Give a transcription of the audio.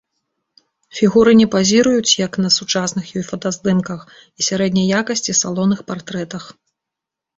Фігуры не пазіруюць як на сучасных ёй фотаздымках і сярэдняй якасці салонных партрэтах.